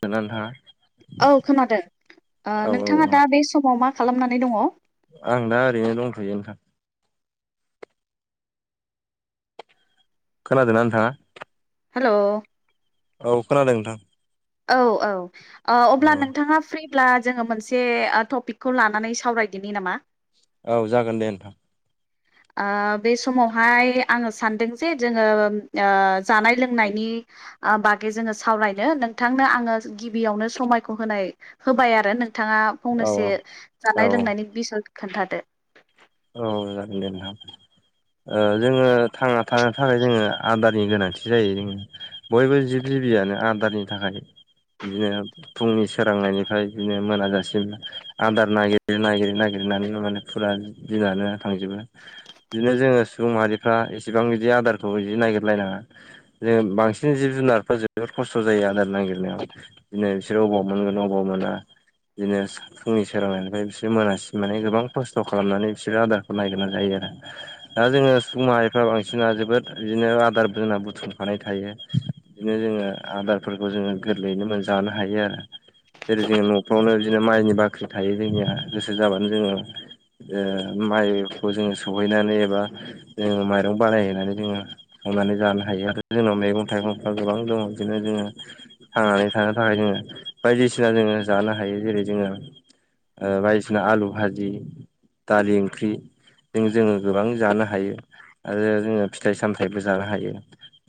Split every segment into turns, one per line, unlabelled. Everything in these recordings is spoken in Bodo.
दोंना नोंथाङा।
औ खोनादों
औ
नोंथाङा
औ औ
दा बे समाव मा खालामनानै दङ।
आं दा ओरैनो दंथयो नोंथां। खोनादोंना नोंथाङा।
हेल
औ खोनादों नोंथां
औ औ
औ
अब्ला नोंथाङा फ्रि। अब्ला जोङो मोनसे टपिकखौ लानानै सावरायदिनि नामा
औ जागोन दे नोंथां।
बे समावहाय आङो सानदों जे जोङो जानाय लोंनायनि बागै जोङो सावरायनो नोंथांनो आङो गिबियावनो समायखौ होनाय होबाय आरो नों बिथाङा
औ
फंनैसो
औ
जानाय लोंनायनि बिसय खोन्थादो
औ जागोन दे नोंथां जोङो थांना थानो थाखाय जोङो आदारनि गोनांथि जायो जो बयबो जि गबियानो आदारनि थाखाय बिदिनो फुंनि सोरांनायनिफ्राय बिदिनो मोनाजासिम आदार नागिरै नागिर नागिरो। लिरनानै माने फुरा दिनानो थांजोबो बिदिनो जोङो सुबुं माहारिफ्रा एसेबां बिदि आदारखौ बिदि नायगिरलायनाङा जे बांसिन जिब जुनारफ्रा जोबोद खस्थ' जायो आदार नागिरनायाव बिदिनो बिसोर बबाव मोन बौ मोना बिदिनो फुंनि सोलोंनायनिफ्राय बिसोर मोनासि माने गोबां खस्थ' खालामनानै बिसोर आदारखौ नायग्रोना जायो आरो दा जोङो सुबुं माहायफ्रा बांसिना जोबोद बिदिनो आदारबोन बुथुमफानाय थायो बिदिनो जोङो आदारफोरखौ जोङो गोरलैयैनो जानो हायो आरो। जेरै जोंङो न'फ्रावनो बिदिनो माइनि बाख्रि थायो जोंनिया गोसो जाबानो जोङो। माइखौ जोङो सहैनानै एबा जोङ माइरं बानायहैनानै जोङो होनानै जानो हायो आरो जोंनाव मैगं थाइगंफ्रा गोबां दङ बिदिनो जोङो थांनानै थानो थाखाय जोङो। बायदिसिना जोङो जानो हायो जेरै जोङो बायदिसिना आलु भाजि। दालि ओंख्रि। जों जोङो गोबां जानो हायो आरो जोङो फिथाइ सामथायाइबो जानो हायो।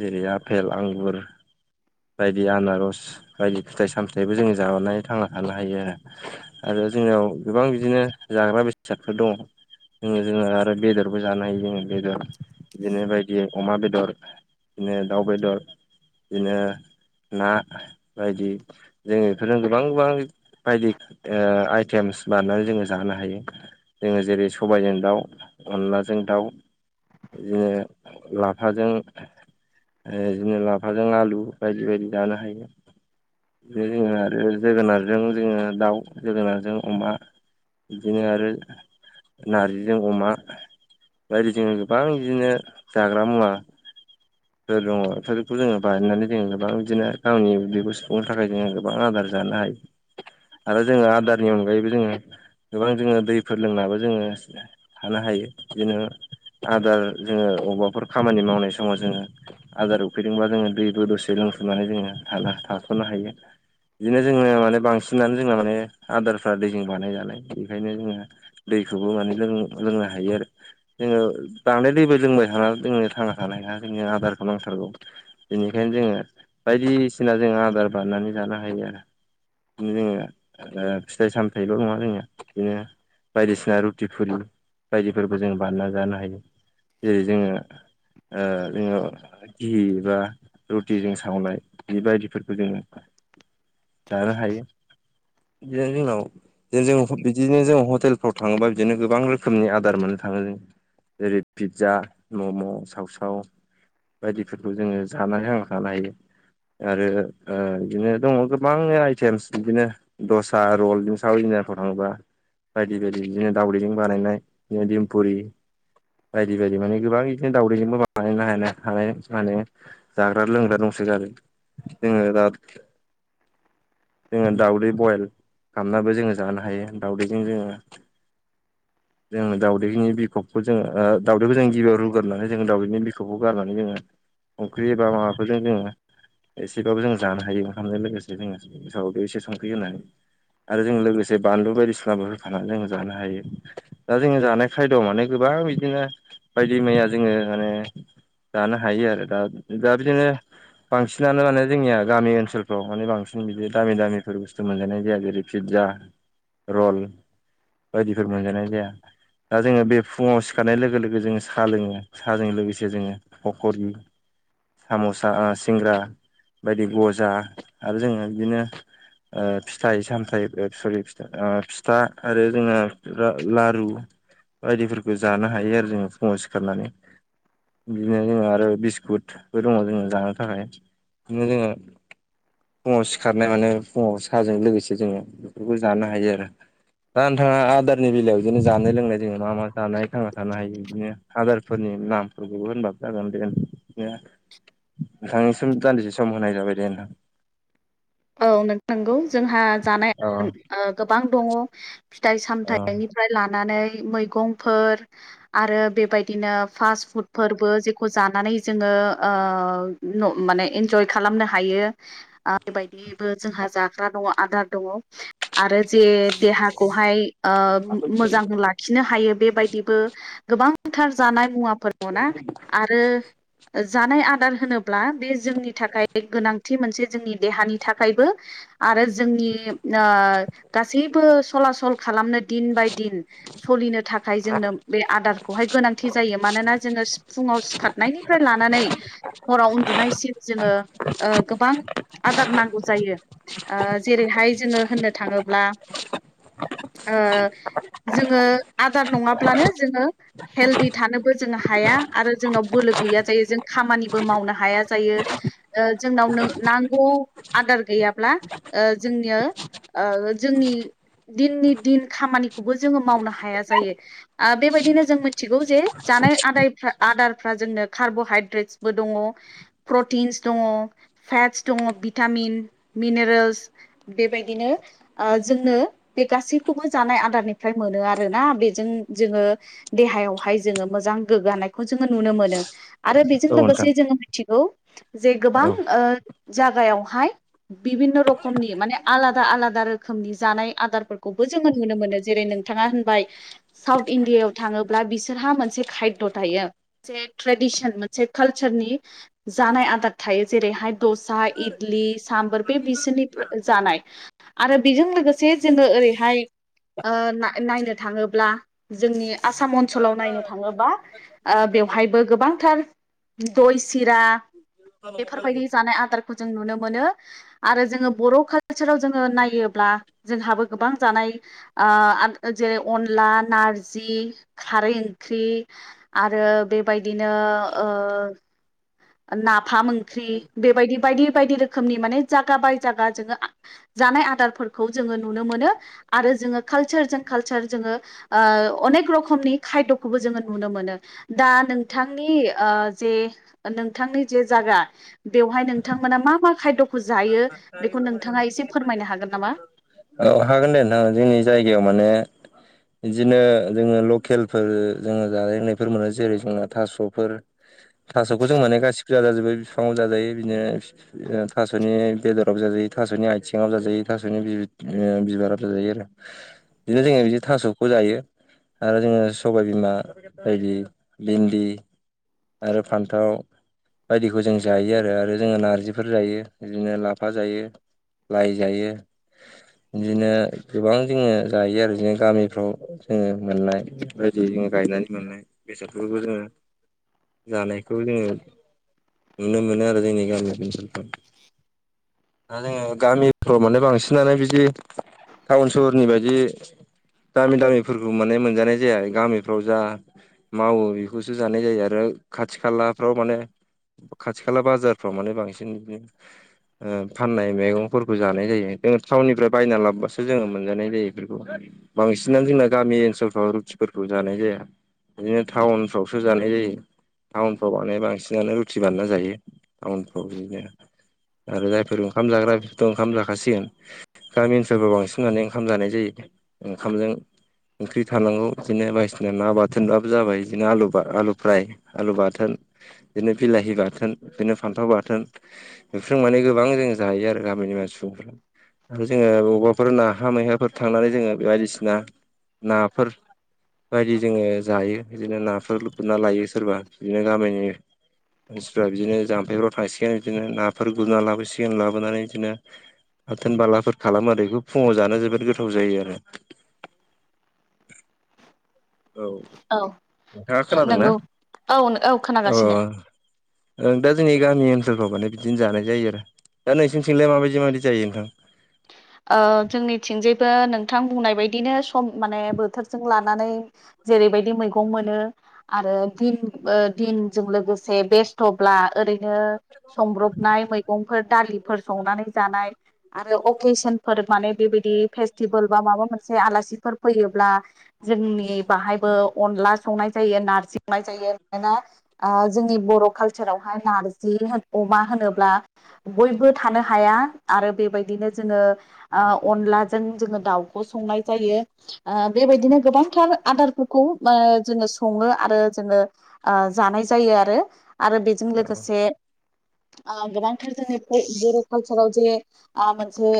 जेरै आपेल आंगुर बायदि आनारस बायदि फिथाइ सामथायाइबो जोङो जानानै थांना थानो हायो आरो आरो। जोंनाव गोबां बिदिनो जाग्रा बेसादफोर दङ। जों जोङो आरो बेदरबो जानो हायो जोङो बेदर बिदिनो बायदि अमा बेदर। बिदिनो दाउ बेदर बिनो। ना बायदि जोङो बेफोरजों गोबां गोबां बायदि आइटेम बानायनै जोङो जानो हायो जोङो जेरै सबायजों दाउ अनलाजों दाउ। बिदिनो लाफाजों। बिदिनो लाफाजों आलु बायदि बायदि जानो हायो बे जों आरो जोगोनारजों जोङो दाउ जोगोनारजों अमा। बिदिनो आरो नारजिजों अमा बेदि जोङो गोबां बिदिनो जाग्रा मुवा फोर दङ बेफोरखौ जोङो बानायनानै जोङो गोबां बिदिनो गावनि उदैखौ सुफुंनो थाखाय जोङो गोबां आदार जानो हायो आरो जोङो आदारनि अनगायैबो जोङो दै फोर लोंनाबो जोङो थानो हायो बिदिनो आदार जोङो अबेबाफोर खामानि मावनाय समाव जोङो आदार उखैदोंबा जोङो दैबो दसे लों लोंसनानै जोङो थ थाथ'नो हायो। बिदिनो जोङो माने बांसिनानो जोंहा माने आदारफ्रा दैजों बानायजानाय बेखायनो जोङो दैखौबो माने लोंनो हायो आरो जोङो बांद्राय दैबो लोंबाय हानानै लोंनो थांना थानो जोंनो आदारखौ नांथारगौ बेनिखायनो जोङो बायदिसिना जों आदार बायनानै जानो हायो आरो। बिदिनो जोङो फिथाइ सामथायाइल' नङा जोंनिया बिदिनो बायदिसिना रुटि फुरि बायदिफोरबो जों बानायना जानो हायो जेरै जोङो ओ जोङो धि बा रुटिजों सावनाय बेबायदिफोरखौ जोङो
[inaudible]
जानो हायो बिदिनो जोंनाव जों बिदिनो जों हटेल थाङोबा बिदिनो गोबां रोखोमनि आदार मोननो थाङो जों जेरै पिज्जा मम' सावसाव बायदिफोरखौ जोङो जानानै थांना थानो हायो। आरो ओ बिदिनो दङ गोबां आइटेमस बिदिनो दसा रल सावमिन फ्राव थाङोबा बायदि बायदि बिदिनो दावदैजों बानायनाय बिदिनो दिमपुरि बायदि बायदि माने गोबां बिदिनो दावदैजोंबो बानायनो हानाय हानाय माने जाग्रा लोंग्रा दंसयो ‌। जोङो दा जोङो दाउदै बयल खालामनानैबो जोङो जानो हायो दाउदैजों जोङो
[inaudible]
जोङो दाउदैनि बिखबखौ जोङो दाउदैखौ जों गबियाव रुगारनानै जोंङ दाउदैनि बिखबखौ गारनानै जोङो ओंख्रि एबा माबाफोरजों जोङो एसेबाबो जों जानो हायो ओंखामजों लोगोसे जोङो मसाव बे एसे संख्रै होननानै आरो जों लोगोसे बानलु बायदिसिनाफोर लानानै जों जानो हायो दा जोङो जानाय खायदआव माने गोबां बिदिनो बायदि मैया जोङो माने जानो हायो आरो दा दा बिदिनो बांसिनानो माने जोंनिया गामि ओनसोलफ्राव माने बांसिन बिदि दामि दामिफोर बुस्थु मोनजानाय जाया जेरै फि पिजा रल बायदिफोर मोनजानाय जाया। दा जोङो बे फुङाव सिखारनाय लोगो लोगो जो साहा लोङो साहाजों लोगोसे जोङो फखर साम'सा सिंग्रा बायदि गजा आरो जोङो बिदिनो ओ फिथाइ-सामथाय सरि फिथा आरो जोंहा लारु बायदिफोरखौ जानो हायो आरो जोङो फुङाव सिखारनानै बिदिनो जोङो आरो बिस्कुटबो दङ' जोङो जानो थाखाय बिदिनो जोङो फुङाव सिखारनाय माने फुङाव साहाजों लोगोसे जोङो बेफोरखौ जानो हायो आरो। दा नोंथाङा आदारनि बेलायाव बिदिनो जानाय लोंनाय जो मा मा जानाय थांना थानो हायो बिदिनो आदारफोरनि नाथुरखौबो होनबाबो जागोन दे नोंसोरनिया नोंथांनिसिम दान्दिसे सम होनाय जाबाय दे ‌।
औ नंगौ जोंहा जानाय
अ
ओ गोबां दङ।
अ
फिथाइ-सामथायाइनिफ्राय लानानै मैगंफोर आरो बेबायदिनो फास फुदफोरबो जेखौ जानानै जोङो ओ ओ न मानेइन्जय खालामनो हायो बेबाय बेबो जोंहा जाग्रा दङ' आदार दङ' आरो जे देहाखौहाय ओ मोजां लाखिनो हायो बेबायदिबो गोबांथार जानाय मुवा फोर दङ'ना आरो जानाय आदार होनोब्ला बे जोंनि थाखाय गोनांथि मोनसे जोंनि देहानि थाखायबो आरो जोंनि ओ गासैबो सलासल खालामनो दिन बाय दिन सलिनो थाखाय जोंनो बे आदारखौहाय गोनांथि जायो मानोना जोङो फुं ङाव सिखारनायनिफ्राय लानानै हराव उन्दुनायसिम जोङो ओ गोबां आदार नां ओ जेरैहाय जोङो होननो थाङोब्ला ओ जोङो आदार नङाब्लानो जोङो हेल्दि थानोबो जों हाया। आरो जोंनाव बोलो गैया जायो जों खामानिबो मावनो हाया जायो। ओ जोंनाव नांगौ आदार गैयाब्ला ओ जोंनिओ ओ जोंनि दिननि दिन खामानिखौबो जोङो मावनो हाया जायो। आ बेबायदिनो जों मिथिगौ जे जानाय आदायफ्रा आदारफ्रा जोंनो कार्ब'हाइद्रेटसबो दङ, प्रटिन्स दङ। फेटस दङ बि टामिन मिनेरेल्स बेबायदिनो ओ जोंनो बे गासैखौबो जानाय आदारनिफ्राय मोनो आरोना बेजों जोङो देहायावहाय जोङो मोजां गोग्गानायखौ जोङो नु नुनो मोनो आरो बेजों
औ नोंथां
लोगोसे जोङो मोनथिगौ जे गोबां
औ
ओ जागायाव हाय बिभिन्न' रोखमनि माने आलादा आलादा रोखोमनि जानाय आदारफोरखौबो जोङो नुनो मोन नो। जेरै नोंथाङा होनबाय साउथ इण्डियायाव थाङोब्ला बिसोरहा मोनसे खायद' थायो। से ट्रेडिसन मोनसे कालचारनि जानाय आदार थायो जेरैहाय दसा इद द्लि साम्बोर बे बिसोरनि जानाय आरो बेजों लोगोसे जोङो ओरैहाय ओ ना नायनो थाङोब्ला जोंनि आसाम अनसोलाव नायनो थाङोबा ओ बे बेवहायबो गोबांथार दय सिरा बेफोरबायदि जानाय आदारफोर जों नुनो मोनो आरो जोङो बर' कालसाराव जोङो नायोब्ला जोंहाबो गोबां जानाय आ जेरै अनला नारजि खारै ओंख्रि आरो ओ बेबायदिनो ओ नाफाम ओंख्रि बेबायदि बायदि बायदि रोखोमनि माने जागा बाय जाया जोङो जानाय आदारफोरखौ जोङो नुनो मोनो आरो जोङो कालसारजों कालसार जोङो ओ अनेक रखमनि खायदखौबो जोङो नुनो मोनो। दा नोंथांनि ओ जे नोंथांनि जे जागा बेवहाय नोंथां मोना मा मा खायद'खौ जायो बेखौ नोंथाङा एसे फोरमायनो हागोन नामा?
औ हागोन दे नोंथां जोंनि जायगायाव माने इदिनो जोङो लकेलफोर जोङो जानाय लोंनायफोर मोनो जेरै जोंना थास'फोर थास'खौ जों माने गासिबो जाजाजोबो बिफाङाव जाजायो बिदिनो ओ थास'नि बेदरावबो जाजायो। थास'नि आथिङाबो जाजायो थास'नि बि ओ बिबारो जाजायो आरो बिदिनो जोङो बिदि थास'खौ जायो। आरो जोङो सबाय बिमा बायदि भिन्दि आरो फान्थाव बायदिखौ जों जायो आरो आरो जोङो नारजिफोर जायो बिदिनो लाफा जायो। लाय जायो। इदिनो गोबां जोङो जायो आरो इदिनो गामिफ्राव जोङो मोननाय बेफोर बायदि जों गायनानै मोननाय बेसाद फोरखौ जोङो जानायखौ जोङो नुनो मोनो आरो जोंनि गामि ओनसोलफ्राव। दा जोङो गामिफ्राव माने बांसिनानो बिदि टाउन सहरनि बायदि दामि दामिफोरखौ माने मोनजानाय जाया गामिफ्राव जा मावो बेखौसो जानाय जायो आरो खाथि खालाफ्राव माने खाथि खाला बाजारफ्राव माने बांसिन ओ फाननाय मेगंफोरखौ जानाय जायो। जों थाउननिफ्रा बायना लाबोबासो जोङो मोनजानाय जायो बेफोरखौ बांसिनानो जोंना गामि ओनसोलफ्राव रुटिफोरखौ जानाय जाया। बिदिनो टाउनफ्रावसो जानाय जायो। टाउनफ्राव माने बांसिनानो रुथि बानायना जायो टाउनफ्राव बिदिनो आरो जायफोर ओंखाम जाग्रा बेफोरथ' ओंखाम जाखासिगोन। गामि ओनसोलफोराव बांसिननानै ओंखाम जानाय जायो ओंखामजों ओंख्रि थानांगौ बिदिनो बायदिसिना ना बाथोनाबो जाबाय बिदिनो आलु आलु फ्राय, आलु बाथोन बिदिनो बिलाहि बाथोन, बिदिनो फान्थाव बाथोन बेफोरजों माने गोबां जों जायो आरो गामि सुबुंफ्रा आरो जोङो बबेबाफोर नाहा मैहाफोर थांनानै जोङो बे बायदिसिना नाफोर बायदि जोङो जायो बिदिनो नाफोर गुरना लायो सोरबा बिदिनो गामिनि मानसिफ्रा बिदिनो जाम्फैफोराव थांसिगोन बिदिनो नाफोर गुरना लाबोसिगोन लाबोनानै बिदिनो बाथोन बाला खालामो आरो बेखौ फुङाव जानो जोबोद गोथाव जायो आरो औ नोंथाङा खोनादोंना
नंगौ औ औ
अ
खोनागासिनो
ओं दा जोंनि गामि ओनसोलफ्राव माने बिदिनो जानाय जायो आरो दा नोंसिनथिंलाय माबायदि माबायदि जायो नोंथां?
ओ जोंनिथिंजायबो नोंथां बुंनाय बायदिनो सम माने बोथोरजों लानानै जेरैबायदि मैगं मोनो आरो दिन दिनजों लोगोसे बेस्थ'ब्ला ओरैनो संब्रबनाय मैगंफोर दालिफोर संनानै जानाय आरो अकेसनफोर माने बेबायदि फेस्टिभेल बा माबा मोनसे आलासिफोर फैयोब्ला जोंनि बाहायबो अनला संनाय जायो नारजि‌ संनाय जायो मानोना ओ जोंनि बर' कालसारावहाय नारजि अमा होनोब्ला बयबो थानो हाया। आरो बेबायदिनो जोङो ओ अनलाजों जोङो दाउखौ संनाय जायो। ओ बेबायदिनो गोबांथार आदारफोरखौ जोङो सङो आरो जोङो ओ जानाय जायो आरो आरो बेजों
औ
लोगोसे ओ गोबांथार जोङो बर' कालचाराव जे ओ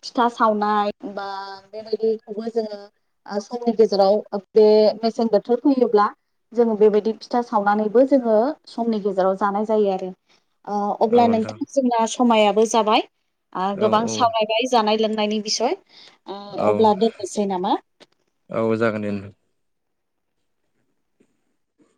फिथा सावनाय बा बेबायदिखौबो जोङो गेजेराव बे मेसें बोथोर फैयोब्ला जोङो बेबायदि फिथा सावनानैबो जोङो समनि गेजेराव जानाय जायो आरो अब्ला नोंथां जोंना समायाबो जाबाय
औ
गोबां सावरायबाय जानाय लोंनायनि बिसय
औ
अब्ला दोननोसै नामा
औ औ जागोन दे नोंथां